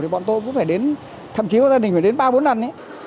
bọn tôi cũng phải đến thậm chí có gia đình phải đến ba bốn lần